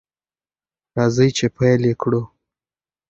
راځئ چې پیل یې کړو.